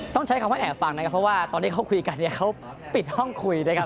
ต้องใช้คำว่าแอบฟังนะครับเพราะว่าตอนที่เขาคุยกันเนี่ยเขาปิดห้องคุยนะครับ